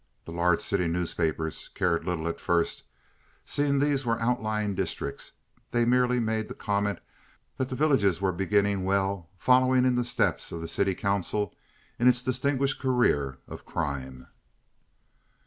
The large city newspapers cared little at first, seeing these were outlying districts; they merely made the comment that the villages were beginning well, following in the steps of the city council in its distinguished career of crime.